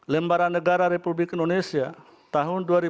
lembaran negara republik indonesia tahun dua ribu sebelas nomor tujuh puluh